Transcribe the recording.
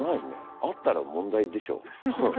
あったら問題でしょ。